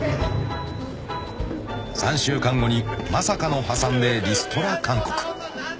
［３週間後にまさかの破産でリストラ勧告］